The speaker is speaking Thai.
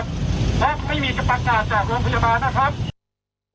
เพราะไม่มีจะประกาศจากโรงพยาบาลนะครับ